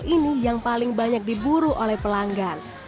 ini yang paling banyak diburu oleh pelanggan